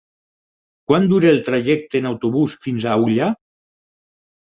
Quant dura el trajecte en autobús fins a Ullà?